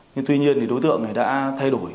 nhưng tuy nhiên đối tượng này đã thay đổi